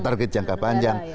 target jangka panjang